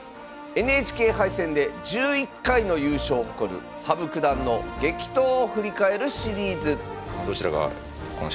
ＮＨＫ杯戦で１１回の優勝を誇る羽生九段の激闘を振り返るシリーズどちらがこの勝負で勝つかでね